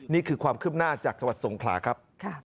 นี่คือความขึ้นหน้าจากทวัดสงขลาครับ